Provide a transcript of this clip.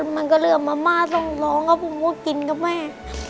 มันก็เรื่องมะม่าสองสองครับผมว่ากินกับแม่